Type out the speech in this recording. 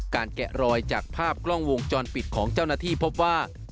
แกะรอยจากภาพกล้องวงจรปิดของเจ้าหน้าที่พบว่า